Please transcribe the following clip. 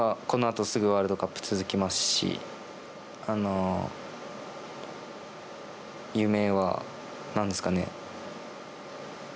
このあとすぐワールドカップ続きますし夢は何ですかね。